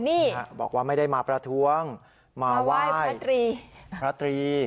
บอกว่าไม่ได้มาประท้วงมาไหว้พระตรี